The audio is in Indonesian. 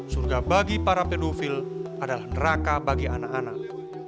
surga bagi para pedofil adalah neraka bagi anak anak